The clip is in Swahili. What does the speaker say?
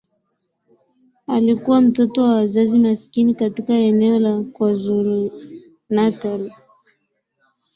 alikuwa mtoto wa wazazi maskini katika eneo la kwaZulunatal